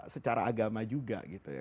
secara agama juga gitu ya